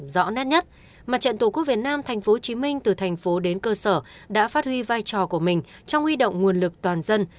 rõ nét nhất mặt trận tổ quốc việt nam tp hcm từ thành phố đến cơ sở đã phát huy vai trò của mình trong huy động nguồn lực toàn dân